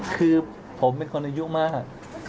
คือผมเป็นคนอายุมาก